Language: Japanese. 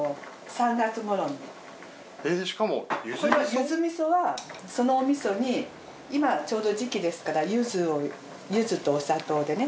柚子味噌はそのお味噌に今ちょうど時期ですから柚子とお砂糖でね。